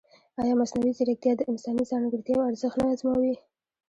ایا مصنوعي ځیرکتیا د انساني ځانګړتیاوو ارزښت نه ازموي؟